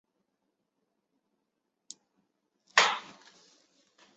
刺果血桐为大戟科血桐属下的一个种。